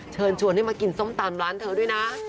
เชิญชวนให้มากินส้มตำร้านเธอด้วยนะ